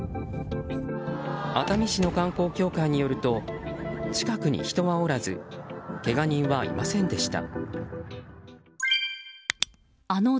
熱海市の観光協会によると近くに人はおらずけが人はいませんでした。